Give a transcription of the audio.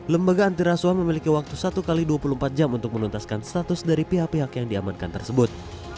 lembaga antiraswa memiliki waktu satu x dua puluh empat jam untuk menuntaskan status dari pihak pihak yang diamankan tersebut